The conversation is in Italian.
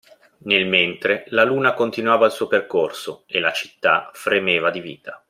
Nel mentre, la luna continuava il suo percorso, e la città fremeva di vita.